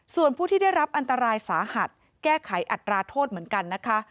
ส่วนผู้ที่ได้รับอันตรายสาหัสแก้ไขอัตราโทษเหมือนกันนะคะ